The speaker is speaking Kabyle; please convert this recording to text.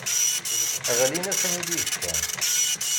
Ɣlin-asen-id ibeccan.